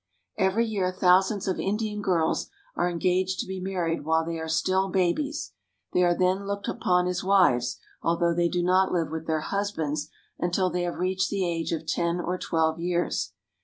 * Every year thousands of Indian girls are engaged to be married while they are still babies. They are then looked upon as wives, although they do not live with their hus bands until they have reached the age of ten or twelve years.